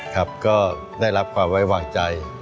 ครับก็ได้รับความไว้วางใจ